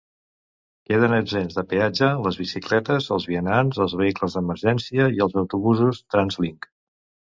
Queden exempts de peatge les bicicletes, els vianants, els vehicles d'emergència i els autobusos TransLink.